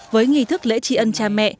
với nghị thức lễ trí ân cha mẹ